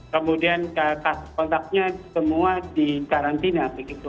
kemudian kasus kontaknya semua di karantina begitu